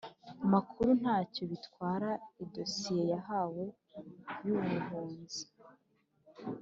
makuru nta cyo bitwara idosiye yawe y ubuhunzi